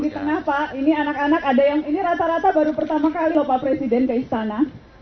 di tengah pak ini anak anak ada yang ini rata rata baru pertama kali lho pak presiden ke istana